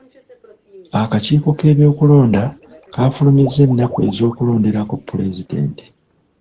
Akakiiko k'ebyokulonda kafulumizza ennaku ez'okulonderako pulezidenti.